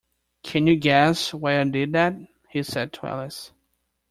‘Can you guess why I did that?’ he said to Alice.